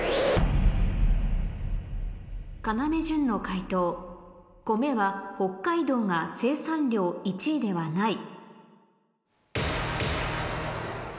要潤の解答米は北海道が生産量１位ではない